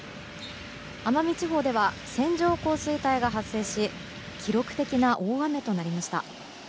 奄美地方では線状降水帯が発生し記録的な大雨となりました。